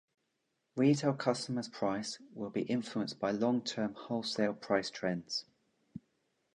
Retail customers' price will be influenced by long-term wholesale price trends.